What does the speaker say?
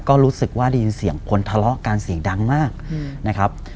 ก็รู้สึกว่าได้ยินเสียงคนทะเลาะกันเสียงดังมากนะครับ